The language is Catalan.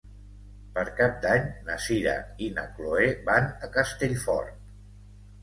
Per Cap d'Any na Sira i na Chloé van a Castellfort.